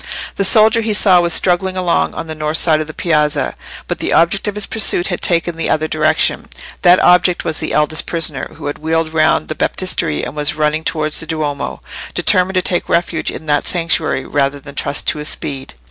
The soldier he saw was struggling along on the north side of the piazza, but the object of his pursuit had taken the other direction. That object was the eldest prisoner, who had wheeled round the Baptistery and was running towards the Duomo, determined to take refuge in that sanctuary rather than trust to his speed.